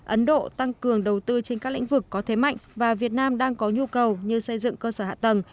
ấn độ tăng cường đầu tư trên các lĩnh vực có thế mạnh và việt nam đang có nhu cầu như xây dựng cơ sở hạ tầng